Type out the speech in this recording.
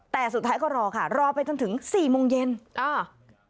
แต่สุดท้ายก็รอค่ะรอไปจนถึงสี่โมงเย็นอ่า